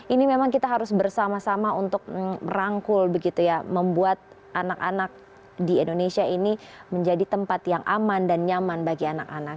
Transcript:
ini memang kita harus bersama sama untuk merangkul begitu ya membuat anak anak di indonesia ini menjadi tempat yang aman dan nyaman bagi anak anak